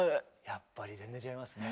やっぱり全然違いますね。